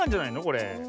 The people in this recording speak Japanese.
これ。